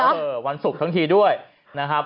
วันศุกร์ทั้งทีด้วยนะครับ